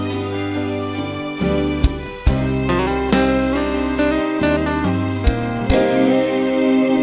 กระจ่วงพักเหมือนตัวเองเสมอค่ะที่แก่แล่วล่ะ